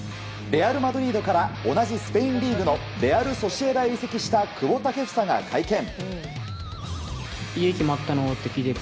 レアル・マドリードから同じスペインリーグのレアル・ソシエダへ移籍した久保建英が会見。